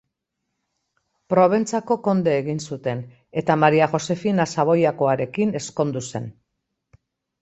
Proventzako konde egin zuten eta Maria Josefina Savoiakoarekin ezkondu zen.